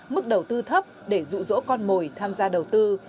mức đầu tư thấp để rụ rỗ con mồi tham gia đầu tư